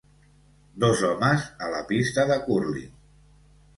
Dos homes a la pista de cúrling.